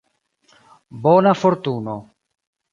Bona fortuno.